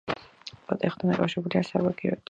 უღელტეხილთან დაკავშირებულია საბაგიროთი.